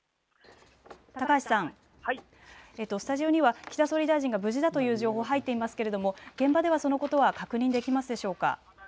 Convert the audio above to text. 高橋さん、スタジオには岸田総理大臣が無事だという情報、入っていますが現場ではそのことが確認できますでしょうか。